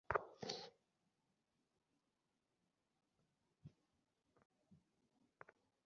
সিরাজগঞ্জ সদর পৌরসভায় সাত মেয়র প্রার্থীর মধ্যে কেবল দুই প্রার্থীর বিরুদ্ধে মামলা আছে।